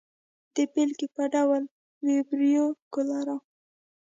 د بېلګې په ډول وبریو کولرا.